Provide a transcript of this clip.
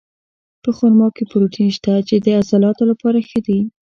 په خرما کې پروټین شته، چې د عضلاتو لپاره ښه دي.